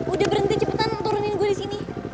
udah berenti cepetan turunin gue disini